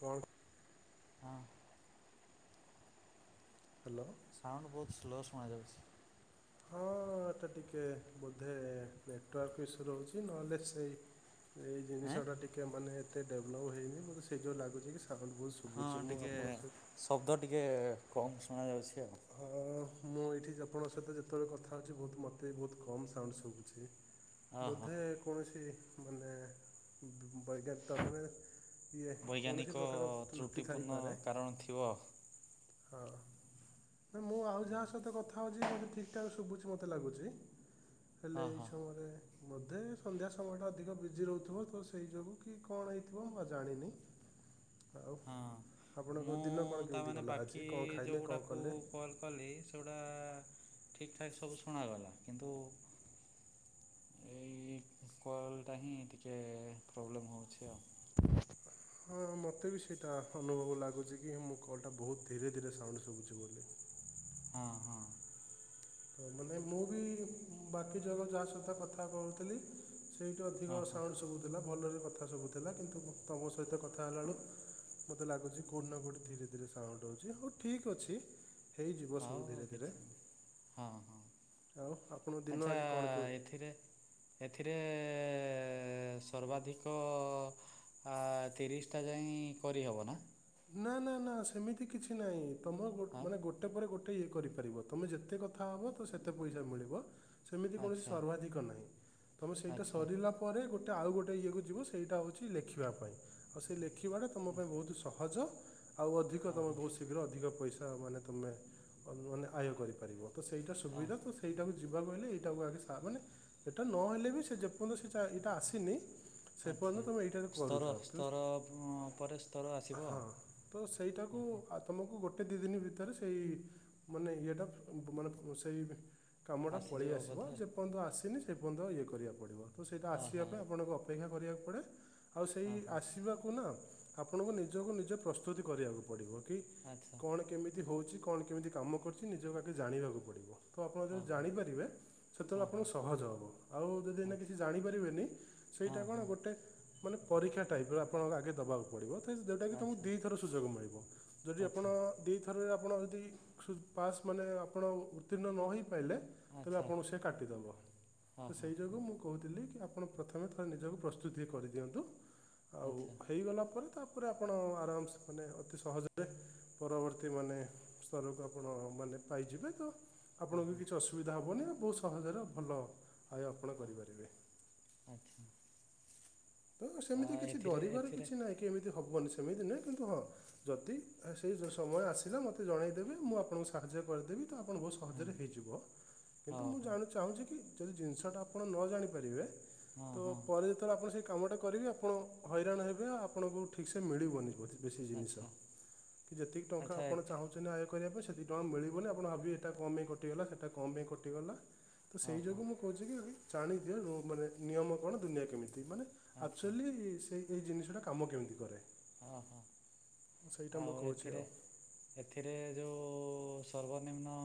କଣ? ହଁ। Hello. Sound ବହୁତ ସ୍ଲୋ ଶୁଣାଯାଉଛି। ହଁ ଏଇଟା ଟିକେ ବୋଧେ ନେଟୱାର୍କ ଇସୁ ରହୁଛି ନହେଲେ ସେଇ ଏଇ ନାଇଁ ଜିନିଷଟା ଟିକେ ମାନେ ଏତେ ଡେଭଲପ ହେଇନି ସେଇତିଯୋଗୁ ଲାଗୁଛି କି ସାଉଣ୍ଡ ବହୁତ ହଁ ଶୁଭୁଛି ମୁଁ ଟିକେ ଆପଣଙ୍କ ସହିତ ଶବ୍ଦ ଟିକେ କମ୍ ଶୁଣାଯାଉଛି ଆଉ। ହଁ ମୁଁ ଏଇଠି ଆପଣଙ୍କ ସହିତ ଯେତେବେଳେ କଥା ହଉଛି ବହୁତ ମତେ ବହୁତ କମ ସାଉଣ୍ଡ ଶୁଭୁଛି। ଆଉ ହଁ ହଁ ବୋଧେ କୌଣସି ମାନେ ବୈଜ୍ଞାନିକ ମାନେ ଇଏ କୌଣସି ବୈଜ୍ଞାନିକ ପ୍ରକାର ତ୍ରୁଟି ତ୍ରୁଟିପୂର୍ଣ୍ଣ ଥାଇପାରେ କାରଣ ଥିବ। ହଁ। ମୁଁ ଆଉ ଯାହା ସହିତ କଥା ହଉଛି ମୋତେ ଠିକ ଠାକ ଶୁଭୁଛି ମୋତେ ଲାଗୁଛି। ହେଲେ ହଁ ଏଇ ହଁ ସମୟରେ ବୋଧେ ସନ୍ଧ୍ୟା ସମୟଟା ଅଧିକ ବିଜି ରହୁଥିବ ତ ସେଇ ଯୋଗୁଁ କି କଣ ହେଇଥିବ ମୁଁ ଆଉ ଜାଣିନି। [unintelligible] ହଁ ଆପଣଙ୍କ ମୁଁ ଦିନ କଣ କେମିତି ତାମାନେ ଗଲା ଆଜି ବାକି କଣ ଖାଇଲେ ଯୋଉ କଣ ଗୁଡାକୁ କଲେ? କ କଲ କଲି ସେଗୁଡ଼ା ଠିକ ଠାକ୍ ସବୁ ଶୁଣାଗଲା କିନ୍ତୁ ଏଇ କଲ ଟା ହିଁ ଟିକେ ପ୍ରୋବ୍ଲେମ୍ ହଉଛି ଆଉ। [unintelligible] ହଁ ମତେ ବି ସେଇଟା ଅନୁଭବ ଲାଗୁଛି କି ମୁଁ କଲ ଟା ବହୁତ ଧୀରେ ଧୀରେ ସାଉଣ୍ଡ ଶୁଭୁଛି ବୋଲି। ହଁ ହଁ। ହଁ ମାନେ ମୁଁ ବି ବାକି ଜାଗା ଯାହା ସହିତ କଥା କହୁଥିଲି ସେଇଠି ହଁ ଅଧିକ ହଁ ହଁ ସାଉଣ୍ଡ ଶୁଭୁ ଥିଲା ଭଲରେ କଥା ଶୁଭୁ ଥିଲା କିନ୍ତୁ ତମ ସହିତ କଥା ହେଲା ବେଳକୁ ମତେ ଲାଗୁଛି କୋଉଠି ନା କୋଉଠି ଧୀରେ ଧୀରେ ସାଉଣ୍ଡ ହଉଛି ହଉ ଠିକ ଅଛି ହେଇଯିବ ସବୁ ହଉ ଧୀରେ ଧୀରେ। କିଛି ନାହିଁ। ହଁ ହଁ ଆଉ ଆପଣଙ୍କ ଦିନ ଆଚ୍ଛା ଆଜି କଣ କେମିତି ଏଥିରେ ଏଥିରେ ସର୍ବାଧିକ ଆ ତିରିଶଟା ଯାଇଁ ହିଁ କରିହେବ ନା? ନା ନା ନା ସେମିତି କିଛି ନାହିଁ ତମ ଗୋ ଆଉ ମାନେ ଗୋଟେ ଗୋଟେ ପରେ ଗୋଟେ ଇଏ କରିପାରିବ ତମେ ଯେତେ କଥା ହେବ ତ ସେତେ ପଇସା ମିଳିବ। ସେମିତି କୌଣସି ଆଚ୍ଛା ସର୍ବାଧିକ ନାହିଁ ତମେ ସେଇଟା ଆଚ୍ଛା ସରିଲା ପରେ ଗୋଟେ ଆଉ ଗୋଟେ ଇଏକୁ ଯିବୁ ସେଇଟା ହଉଛି ଲେଖିବା ପାଇଁ ଆଉ ସେଇ ଲେଖିବାଟା ତୁମ ପାଇଁ ବହୁତ ସହ [unintelligible] ଅ ହ ଶୀଘ୍ର ଅଧିକ ପଇସା ମାନେ ତମେ ମାନେ ଆୟ କରିପାରିବ ତ ସେଇଟା ଅ ସୁବିଧା ତ ସେଇଟାକୁ ଯିବା କୁ ହେଲେ ଏଇଟାକୁ ଆଗେ ସା ମାନେ ଏଇଟା ନହଲେ ବି ସେ ଯେପର୍ଯ୍ୟନ୍ତ ସେ ଚା ଏଇଟା ଆସିନି ସେପର୍ଯ୍ୟନ୍ତ ଆଚ୍ଛା ତମେ ଏଇଠାରେ ସ୍ତର କରୁଥାଉ ସ୍ତର [unintelligible] ପରେ ସ୍ତର [unintelligible] ହଁ ତ ସେଇଟାକୁ ଓହୋ ତୁମକୁ ଗୋଟେ ଦୁଇ ଦିନ ଭିତରେ ସେଇ ମାନେ ଇଏଟା [unintelligible] ସେଇ କାମଟା ପଳେଇ ଆସିଯିବ ଆସିବ ବୋଧେ ଯେପର୍ଯ୍ୟନ୍ତ ଆସିନି ସେ ପର୍ଯ୍ୟନ୍ତ ଇଏ କରିବାକୁ ପଡ଼ିବ। ତ ସେଇଟା ଆସିବା ଓହୋ ପାଇଁ ଆପଣଙ୍କୁ ଅପେକ୍ଷା କରିବାକୁ ପଡ଼େ ଆଉ ସେଇ ଓହୋ ଆସିବାକୁ ନା ଆପଣଙ୍କୁ ନିଜକୁ ନିଜେ ପ୍ରସ୍ତୁତି କରିବାକୁ ପଡ଼ିବ କି ଆଚ୍ଛା। କଣ କେମିତି ହଉଛି କଣ କେମିତି କାମ କରୁଛି ନିଜକୁ ଆଗେ ଜାଣିବାକୁ ପଡିବ। ତ ଆପଣ ଯଦି ଓହୋ ଜାଣିପାରିବେ ସେତେବେଳେ ଆପଣ ଓହୋ ସହଜ ହବ। ଆଉ ଯଦି ଆଚ୍ଛା କିଛି ଜାଣିପାରିବେନି ସେଇଟା ହଁ କଣ ହଁ ଗୋଟେ ମାନେ ପରୀକ୍ଷା ଟାଇପ୍ ର ଆପଣଙ୍କ ଆଗେ ଦବା ପଡ଼ିବ ଯେଉଁଟାକି ତମକୁ ଆଚ୍ଛା ଦୁଇଥର ସୁଯୋଗ ମିଳିବ ଯଦି ଆପଣ ଆଚ୍ଛା ଦୁଇ ଥରରେ ଆପଣ ଯଦି ପାସ୍ ମାନେ ଆପଣ ଉତ୍ତୀର୍ଣ୍ଣ ନ ହେଇପାରିଲେ ତେବେ ଆଚ୍ଛା ଆପଣଙ୍କୁ ସେ କାଟିଦବ ତ ହଁ ହଁ ସେଇ ଯୋଗୁଁ ମୁଁ କହୁଥିଲି କି ଆପଣ ପ୍ରଥମେ ଥରେ ନିଜକୁ ପ୍ରସ୍ତୁତି କରିଦିଅନ୍ତୁ ଆଉ ଆଚ୍ଛା ହେଇଗଲା ତାପରେ ତାପରେ ଆପଣ ଆରାମସେ ମାନେ ଅତି ସହଜରେ ପରବର୍ତ୍ତୀ ମାନେ ସ୍ତରକୁ ଆପଣ ମାନେ ପାଇଯିବେ ତ ହଁ ଆପଣଙ୍କୁ ହଁ କିଛି ଅସୁବିଧା ହବନି ଆଉ ବୋହୁତ୍ ସହଜରେ ଭଲ ଆୟ ଆପଣ ହଁ କରିପାରିବେ। [unintelligible] ତ ଆ, ସେମିତି କିଛି ଏଥିରେ ଡରିବାର ଏଥିରେ କିଛି ନାହିଁ କି ଏମିତି ହବନି ସେମିତି ନୁହେଁ କିନ୍ତୁ ହଁ ଯଦି ସେଇ ସମୟ ଆସିଲା ମତେ ଜଣେଇଦେବେ ମୁଁ ଆପଣଙ୍କୁ ସାହାଯ୍ୟ କରିଦେବି ତ ଆପଣ ବୋହୁତ୍ ହଁ ସହଜରେ ହେଇଯିବ। କିନ୍ତୁ ହଉ ମୁଁ ହଉ ଯାହା ଚାହୁଁଛି କି ଯଦି ଜିନିଷଟା ଆପଣ ନ ଜାଣିପାରିବେ ହଁ ତ ହଁ ପରେ ତ ଆପଣ ସେ କାମଟା କରିବି ଆପଣ ହଇରାଣ ହେବେ ଆଉ ଆପଣଙ୍କୁ ଠିକ୍ ସେ ମିଳିବନି ବେଶୀ ଜିନିଷ ଆଚ୍ଛା କି ଯେତିକି ଟଙ୍କା ଆଚ୍ଛା ଆପଣ ଏଥି ଚାହୁଁ ନା ଆୟ କରିବା ପାଇଁ ସେତିି ଟଙ୍କା ମିଳିବନି ଆପଣ ଭାବିବେ ଏଇଟା କଣ ପାଇଁ କଟିଗଲା ସେଟା କଣ ପାଇଁ କଟିଗଲା। ତ ହଁ ସେଇ ହଁ ଯୋଗୁଁ ମୁଁ କହୁଛି କି ଜାଣିଦିଅ ମାନେ ନିୟମ କଣ ଦୁନିଆ କେମିତି ମାନେ ଆଚ୍ଛା ଆକ୍ଚୁଆଲି ସେଇ ଏଇ ଜିନିଷଟା କାମ କେମିତି କରେ। ହଁ ହଁ [unintelligible] ସେଇଟା ମୁଁ ଆଉ କହୁଛି ଏଥିରେ ଆଉ ଏଥିରେ ଯୋଉ ସର୍ବନିମ୍ନ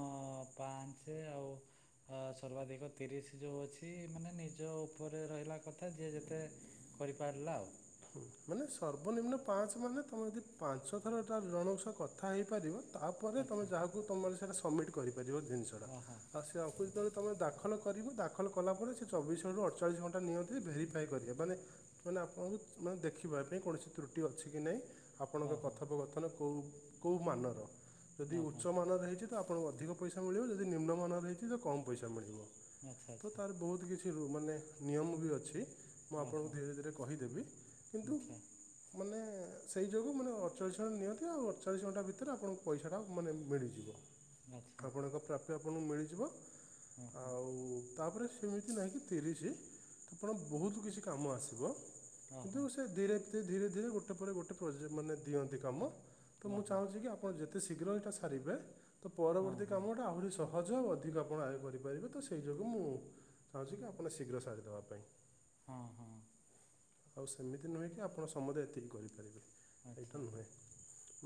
ପାଞ୍ଚ ଆଉ ସର୍ବାଧିକ ତିରିଶ ଯୋଉ ଅଛି ମାନେ ନିଜ ଉପରେ ରହିଲା କଥା ଯିଏ ଯେତେ କରିପାରିଲା ଆଉ। ହୁଁ ମାନେ ସର୍ବନିମ୍ନ ପାଞ୍ଚ ମାନେ ତୁମେ ଯଦି ପାଞ୍ଚ ଥର ଜଣଙ୍କ ସହ କଥା ହେଇପାରିବ ତାପରେ ତମେ ଆଚ୍ଛା ଯାହାକୁ ତମେମାନେ ସମ୍ମିଟ କରିପାରିବ ଜିନିଷ ଓହୋ ଟା [unintelligible] ତମେ ଦାଖଲ କରିବ ଦାଖଲ କଲା ପରେ ସେ ଚବିଶ ଘଣ୍ଟା ରୁ ଅଠଚଳିଶ ଘଣ୍ଟା ନିୟନ୍ତତି ଭେରିଫାଏ କରିବେ ମାନେ ମାନେ ଆପଣଙ୍କୁ ମାନେ ଦେଖିବା ପାଇଁ କୌଣସି ତ୍ରୁଟି ଅଛି କି ନାହିଁ ଆପଣଙ୍କ ଓହୋ କଥୋପକଥନ କେଉଁ କୋଉ ମାନର ଯଦି ଓହୋ ଉଚ୍ଚ ମାନର ହେଇଛି ଆପଣଙ୍କୁ ଅଧିକ ପଇସା ମିଳିବ ଯଦି ନିମ୍ନମାନରେ ହେଇଛି କମ ପଇସା ମିଳିବ ଆଚ୍ଛା ତ ଆଚ୍ଛା ତାର ବୋହୁତ୍ କିଛି ନିୟମ ବି ଅଛି ମୁଁ ଆପଣଙ୍କୁ ଓହୋ ଧିରେ ଧିରେ କହିଦେବି, କିନ୍ତୁ ଆଚ୍ଛା ମାନେ ସେଇ ଯୋଗୁଁ ମାନେ ଅଠଚାଳିଶ ଘଣ୍ଟା ନିହାତି ଆଉ ଅଠଚାଳିଶ ଘଣ୍ଟା ଭିତରେ ଆପଣଙ୍କୁ ପଇସାଟା ମାନେ ମିଳିଯିବ। ଆଚ୍ଛା ଆପଣଙ୍କ ପ୍ରାପ୍ୟ ଆପଣଙ୍କୁ ମିଳିଯିବ। ଓହୋ ଆଉ ତାପରେ ସେମିତି ନାହିଁକି ତିରିଶି। ଆପଣ ବହୁତ କିଛି କାମ ଆସିବ। କିନ୍ତୁ ଓହୋ ସେ ଧୀରେ ଧରେ ଧୀରେ ଧୀରେ ଗୋଟେ ପରେ ଗୋଟେ ପ୍ରୋଜେକ୍ଟ ମାନେ ଦିଅନ୍ତି କାମ ତ ମୁଁ ଓହୋ ଚାହୁଁଛି କି ଆ ଆପଣ ଯେତେ ଶୀଘ୍ର ଏଇଟା ସାରିବେ ତ ହଁ ପରବର୍ତ୍ତୀ ହଁ କାମଟା ଆହୁରି ସହ ସହଜ ଅଧିକ ଆପଣ ଆୟ କରିପାରିବେ ତ ସେହି ଯୋଗୁଁ ମୁଁ ଚାହୁଁଛି କି ଆପଣ ଶୀଘ୍ର ସାରି ଦେବା ପାଇଁ। ହଁ ହଁ। ଆଉ ସେମିତି ନୁହେଁ କି ଆପଣ ସମସ୍ତେ ଏତିକି କରିପାରିବେ ଏଇଟା ଆଚ୍ଛା ନୁହେଁ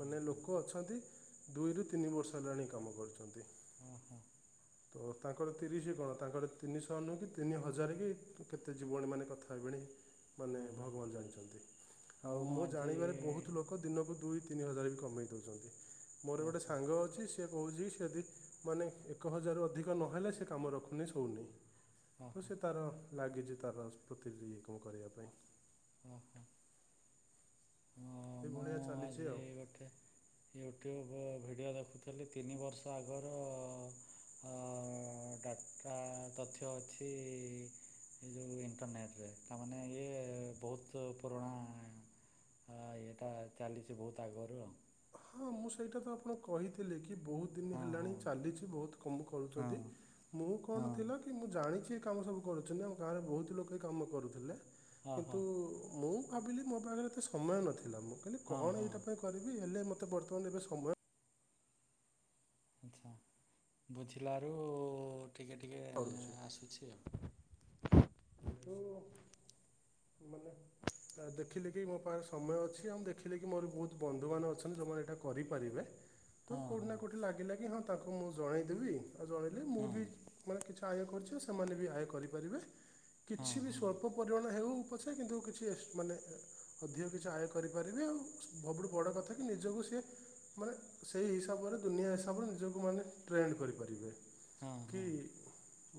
ମାନେ ଓହୋ ଲୋକ ଅଛ [unintelligible] ଦୁଇରୁ ତିନି ବର୍ଷ ହେଲାଣି ଏ ଇ କାମ କରୁଛନ୍ତି ଓ ହୋ। ତାଙ୍କର ତିରିଶ କଣ ତାଙ୍କର ତିନିଶହ ନୁହେଁ କି ତିନି ହଜାର କି କେତେ ଜୀବଣି ମାନେ କଥା ହେବେ [unintelligible] ମାନେ ଓହୋ ଭଗବାନ ଜାଣିଛନ୍ତି ଆଉ ମୁଁ ଜାଣିବାରେ ବହୁତ ଲୋ ଦିନକୁ ଦୁଇ ତିନି ହଜାର ବି କମେଇ ଦଉଛନ୍ତି ମୋର ହଁ ଗୋଟେ ହଁ ସାଙ୍ଗ ଅଛି ସେ କହୁଛି ସେଯଦି ମାନେ ଏକ ହଜାରରୁ ଅଧିକ ନହେଲେ ସେ କାମ ରଖୁନି ଶୋଉନି। ହଁ ତ ହଁ ସେ ତାର ଲାଗିଛି ତାର [unintelligible] କରିବା ପାଇଁ। ଓ ହୋ। ଏଇ ମୁଁ ଭଳିଆ ଚାଲିଛି ଆଜି ଆଉ। ଗୋଟେ ୟୁଟ୍ୟୁବ୍ ଭିଡ଼ିଓ ଦେଖୁଥିଲି ତିନି ବର୍ଷ ଆଗର ଡାଟା ତଥ୍ୟ ଅଛି ଏ ଯେଉଁ ଇଣ୍ଟରନେଟ୍ରେ ତାମାନେ ଇଏ ବହୁତ ପୁରୁଣା ହଁ ଏଇଟା ଚାଲିଛି ବହୁତ ଆଗରୁ ଆଉ। ହଁ ମୁଁ ସେଇଟା ତ ଆପଣଙ୍କୁ କହିଥିଲି କି ବହୁତ ଦିନ ଆଉ ହେଲାଣି ହଁ ଚାଲିଛି ବହୁତ କମ ହଁ କରୁଛନ୍ତି, ମୁଁ ହଁ କଣ ଥିଲା କି ମୁଁ ଜାଣିଛି ଏ କାମ ସବୁ କରୁଛନ୍ତି ଆମ ଗାଁରେ ବହୁତ ଲୋକ ଏ କାମ କରୁଥିଲେ ହଁ ହଁ ହଁ କିନ୍ତୁ ମୁଁ ଭାବିଲି ମୋ ପାଖରେ ଏତେ ସମୟ ନଥିଲା, ମୁଁ କହିଲି ହଁ କଣ ହଁ ଏଇଟା ପାଇଁ କରିବି ହେଲେ ମତେ ବର୍ତ୍ତମାନ ଏବେ ସମୟ ଆଚ୍ଛା ବୁଝିଲାରୁ ଟିକେ ଟିକେ ଆସୁଛି ଆଉ। [unintelligible] ଆ ଦେଖିଲେ କି ମୋ ପାଖରେ ସମୟ ଅଛି, ଆଉ ଦେଖିଲି କି ମୋର ବହୁତ ବନ୍ଧୁ ମାନ ଅଛନ୍ତି ଯୋଉମାନେ ଏଇଟା କରିପାରିବେ। ତ ଆଉ କେଉଁଠି ହଁ ନା କେଉଁଠି ଲାଗିଲା କି ହଁ ତାଙ୍କୁ ମୁଁ ଜଣେଇଦେବି ଆଉ ଜଣେଇଲେ ହଁ ମୁଁ ହଁ ବି ମାନେ କିଛି ଆୟ କରୁଛ ସେମାନେ ବି ଆୟ କରିପାରିବେ, ହଁ କିଛି ବି ହଁ ସ୍ ଅଳ୍ପ ପରିମାଣ ହେଉ ପଛେ କିନ୍ତୁ କିଛି ଏ ମାନେ ଅଧିକ କିଛି ଆୟ କରିପାରିବେ ଆଉ ସବୁଠୁ ବଡ କଥା କି ନିଜକୁ ସିଏ ମାନେ ସେଇ ହିସାବରେ ଦୁନିଆ ହିସାବରେ ନିଜକୁ ମାନେ ଟ୍ରେଣ୍ଡ କରିପାରିବେ। ହଁ କି ହଁ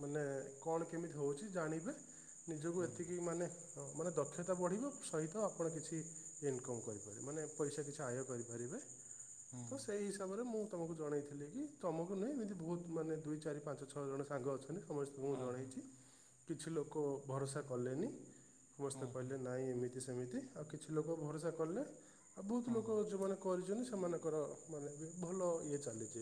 ମାନେ କଣ କେମିତି ହେଉଛି ଜାଣିବେ ନିଜକୁ ଏତିକି ମାନେ ହ ମାନେ ଦକ୍ଷତା ବଢିବ ସହିତ ଆପଣ କିଛି ଇନକମ କରିପାରିବେ, ମାନେ ପଇସା କିଛି ଆୟ କରିପାରିବେ। ହଁ ହ ତ ସେଇ ହିସାବରେ ମୁଁ ତମକୁ ଜଣେଇଥିଲି କି ତମକୁ ନୁହେଁ ଏମିତି ବହୁତ ମାନେ ଦୁଇ ଚାରି ପାଞ୍ଚ ଛ ଛଅ ଜଣ ସାଙ୍ଗ ଅଛନ୍ତି ସମସ୍ତଙ୍କୁ ମୁଁ ହଁ ହଁ ଜଣାଇଛି କିଛି ଲୋକ ଭରସା କଲେନି। ସମସ୍ତେ ହଁ ହଁ କହିଲେ ନାଇଁ ଏମିତି ସେମିତି ଆଉ କିଛି ଲୋକ ଭରସା କଲେ ଆଉ ବହୁତ ହଁ ଲୋକ ଯୋଉମାନେ କରିଚନ୍ତି ସେମାନଙ୍କର ମାନେ ବି ଭଲ ଇଏ ଚାଲିଛି,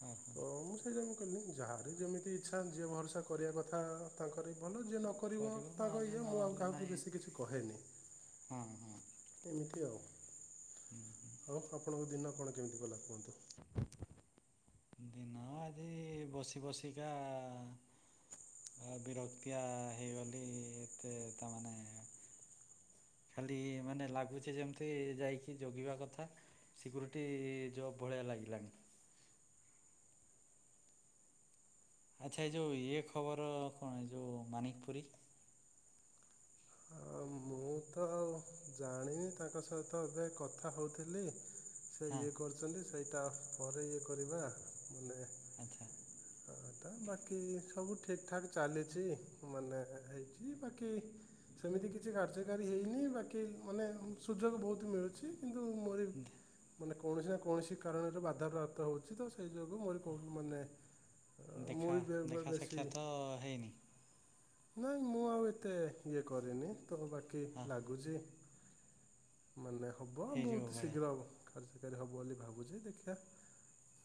ହଁ ହଁ ତ ମୁଁ [unintelligible] ମୁ କହିଲି ଯାହାର ଯେମିତି ଇଚ୍ଛା ଯିଏ ଭରସା କରିବା କଥା ତାଙ୍କର ଭଲ ଯିଏ ନକରିବ କରିବ ତାଙ୍କ ନହେଲେ ଇଏ ମୁଁ ଆଉ ନହେଲେ କାହାକୁ ନାହିଁ ବେଶୀ କିଛି କହେନି। ହଁ ହଁ। ଏମିତି ଆଉ, ହୁଁ ଆଉ ଆପଣଙ୍କ ଦିନ କଣ କେମିତି ଗଲା କୁହନ୍ତୁ? ଦିନ ଆଜି ବସି ବସିକା ବିରକ୍ତିଆହେଇଗଲି ଏତେ ତାମାନେ ଖାଲି ମାନେ ଲାଗୁଛି ଯେମିତି ଯାଇକି ଜଗିବା କଥା। ସିକ୍ୟୁରିଟି ଜବ୍ ଭଳିଆ ଲାଗିଲାଣି। ଆଚ୍ଛା ଏ ଯଉ ଇଏ ଖବର କଣ ଏ ଯେଉଁ ମାନିକ ପୁରୀ? ମୁଁ ତ ଆଉ ଜାଣିନି ତାଙ୍କ ସହିତ ଏବେ କଥା ହଉଥିଲି ସେ ହଁ ଇଏ କରି ଛନ୍ତି ସେଇଟା ପରେ ଇଏ କରିବା ମାନେ ଆଚ୍ଛା। ହଁ। ବାକି ସବୁ ଠିକ୍ ଠାକ୍ ଚାଲିଛି ମାନେ ହେଇଛି ବାକି। ସେମିତି କିଛି କାର୍ଯ୍ୟକାରୀ ହେଇନି ବାକି ମାନେ ସୁଯୋଗ ବହୁତ ମିଳୁଛି। କିନ୍ତୁ ମୋ ମାନେ କୌଣସି ନା କୌଣସି କାରଣରେ ବାଧାପ୍ରାପ୍ତ ହଉଛି ତ। ସେଇ ଯୋଗୁଁ ମୋରି କହୁ ମାନେ ମୁଳି ବେଶୀ। ହ ହେଇନି। ନାଇଁ ମୁଁ ଆଉ ଏତେ ଇଏ କରିନି ତ ବାକି ହଁ ଲାଗୁଛି। ମାନେ ହବ ହେଇଯିବ ବହୁତ ଭଳିଆ ଶୀଘ୍ର କାର୍ଯ୍ୟକାରୀ ହେବ ବୋଲି ଭାବୁଛି ଦେଖିଆ।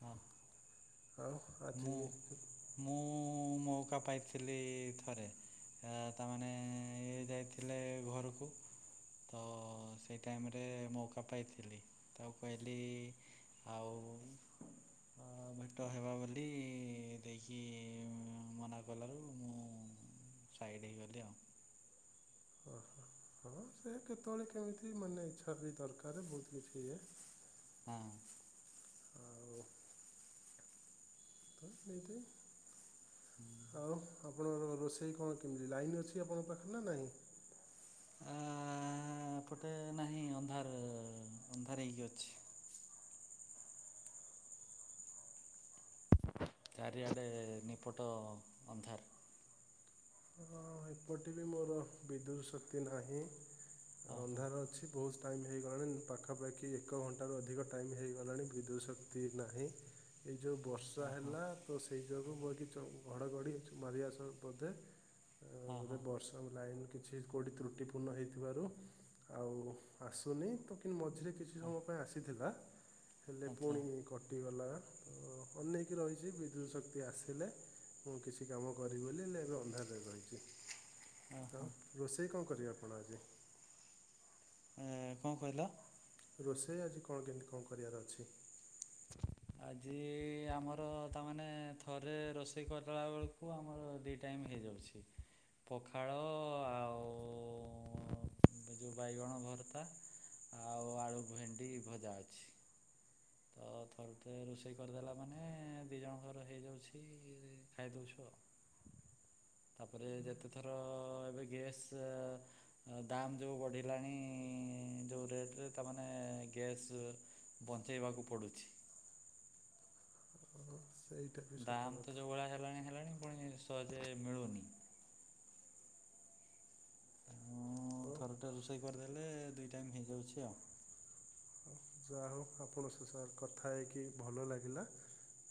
ହଁ। ଆଉ ଆଜି ମୁଁ ମୁଁ ମଉକା ପାଇଥିଲି ଥରେ। ତାମାନେ ଇଏ ଯାଇଥିଲେ ଘରକୁ। ତ ସେଇ ଟାଇମରେ ମଉକା ପାଇଥିଲି। ତାକୁ କହିଲି ଆଉ ଭେଟ ହେବା ବୋଲି ଦେଇକି ମନା କଲାରୁ ମୁଁ ସାଇଡ଼୍ ହେଇଗଲି ଆଉ। ଓହୋ ହଁ ସେ କେତେବେଳେ କେମିତି ମାନେ ଇଚ୍ଛା ବି ଦରକାର ବହୁତ କିଛି ଇଏ। ହଁ। ଆଉ ଆଉ ରୁହ ରୁହ ରୁହ ସେ କଣ କେମିତି ଲାଇନ୍ ଅଛି ଆପଣଙ୍କ ପାଖରେ ନା ନାହିଁ। ଆଆ ଏ ପଟେ ନାହିଁ ଅନ୍ଧାର ଅନ୍ଧାର ହେଇକି ଅଛି। ଚାରିଆଡ଼େ ନିପଟ ଅନ୍ଧାର। ହଁ ଏପଟେ ବି ମୋର ବିଦ୍ୟୁତ୍ ଶକ୍ତି ନାହିଁ ଓହୋ ଅନ୍ଧାର ଅଛି। ବହୁତ ଟାଇମ୍ ହେଇଗଲାଣି ପାଖାପାଖି ଏକ ଘଣ୍ଟାରୁ ଅଧିକ ଟାଇମ୍ ହୋଇଇଗଲାଣି ବିଦ୍ୟୁତ୍ ଶକ୍ତି ନାହିଁ। ଏଇ ଯଉବର୍ଷା ଓହୋ ହେଲା ତ ସେଇ ଯୋଗୁକୁ କି ଘଡ଼ଘଡ଼ି ମାରିବା ବୋଧେ ଏବେ ଓହୋ ବର୍ଷା ଆମ ଲାଇନ୍ କିଛି କଉଠି ତ୍ରୁଟିପୂର୍ଣ୍ଣ ହେଇଥିବାରୁ ଆଉ ଆସୁନି ତ କିନ୍ତୁ ମ ମଝିରେ କିଛି ଓ ସମୟ ପାଇଁ ଆସିଥିଲା। ହେଲେ ଆଚ୍ଛା ପୁଣି କଟି ଗଲା। ଅନେଇକି ରହିଛି ବିଦ୍ୟୁତ ଶକ୍ତି ଆସିଲେ ମୁଁ କିଛି କାମ କରିବି ବୋଲି ହେଲେ ଏବେ ଅନ୍ଧାରରେ ରହିଛି। ଆଉ ଓହୋ ରୋଷେଇ କଣ କରିବେ ଆପଣ ଆଜି? ଉଁ କଣ କହିଲ? ରୋଷେଇ ଆଜି କଣ କେମିତି କଣ କରିବାର ଅଛି? ଆଜି ଆମର ତାମାନେ ଥରେ ରୋଷେଇ କରିଲା ବେଳକୁ ଆମର ଦୁଇ ଟାଇମ୍ ହେଇଯାଉଛି। ଅଛି [unintelligible] ପଖାଳ ଆଉ ଯଉବାଇଗଣ ଭର୍ତ୍ତା। ଆଉ ଆଳୁ ଭେଣ୍ଡି ଭଜା ଅଛି। ତ ହ [unintelligible] ଥରୁଟେ ରୋଷେଇ କରିଦେଲା ମାନେ ଦି ଜଣ ଘର ହେଇଯାଉଛି ଖାଇଦୋଉଛୁ ଆଉ। ତାପରେ ଯେତେଥର ଏବେ ଗ୍ୟାସ୍। ଦାମ୍ ଯୋଉ ବଢ଼ିଲାଣି ଯୋଉ ରେଟରେ ତା ମାନେ ଗ୍ୟାସ୍। ବଞ୍ଚେଇବାକୁ ପଡ଼ୁଛି। ସେଇ। ଦାମ୍ ତ ଯୋଉ ଭଳିଆ ହେଲାଣି ହେଲାଣି ପୁଣି ସହଜେ ମିଳୁନି। ହଁ ହଉ ଥରୁଟେ ରୋଷେଇ କରିଦେଲେ ଦୁଇ ଟାଇମ୍ ହେଇଯାଉଛି ଆଉ। ଯା ହୋଉ ଆପଣ ସ ସାର୍ କଥା ହେଇକି ଭଲ ଲାଗିଲା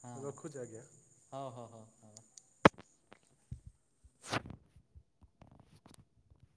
ହଁ ରଖୁଛି ଆଜ୍ଞା। ହଉ ହଉ ହଉ ହଉ। [inaudible]